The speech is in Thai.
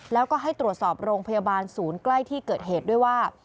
แล้วก็ให้ตรวจสอบโรงพยาบาลศูนย์ใกล้ที่เกิดเหตุด้วยว่า